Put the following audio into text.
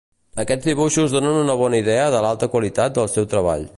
Aquests dibuixos donen una bona idea de l'alta qualitat del seu treball.